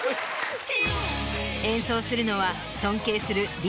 演奏するのは尊敬するＢ